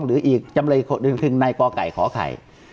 หรืออีกจำเลยคนหนึ่งคือนายกอไก่ขอไข่